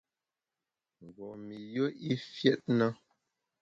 Mgbom-i yùe i fiét na téna.